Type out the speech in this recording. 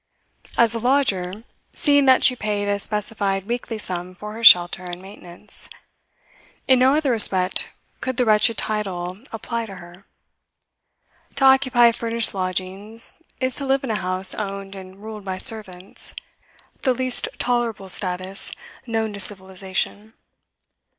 As a lodger, seeing that she paid a specified weekly sum for her shelter and maintenance; in no other respect could the wretched title apply to her. To occupy furnished lodgings, is to live in a house owned and ruled by servants; the least tolerable status known to civilisation.